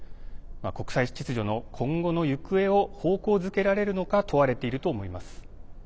国際秩序の今後の行方を方向づけられるのか問われていると思います。